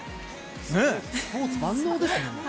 スポーツ万能ですね。